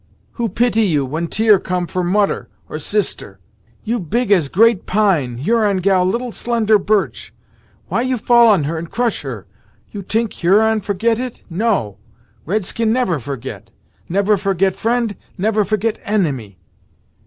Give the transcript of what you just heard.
Who pity you, when tear come for moder, or sister? You big as great pine Huron gal little slender birch why you fall on her and crush her? You t'ink Huron forget it? No; red skin never forget! Never forget friend; never forget enemy.